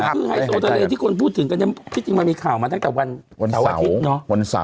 คือไฮโซเทลียที่คนพูดถึงกันที่จริงมันมีข่าวมาตั้งแต่วันเต๋าอาทิตย์เนอะ